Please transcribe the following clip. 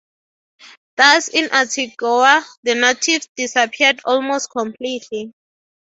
Thus, in Antioquia, the natives disappeared almost completely.